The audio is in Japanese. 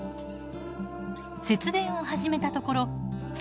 節電を始めたところ月